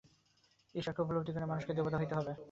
ঈশ্বরকে উপলব্ধি করিয়া মানুষকে দেবতা হইতে হইবে।